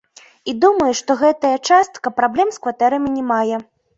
І думаю, што гэтая частка праблем з кватэрамі не мае.